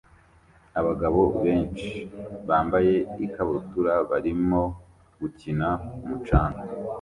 Abagabo benshi bambaye ikabutura barimo gukina ku mucanga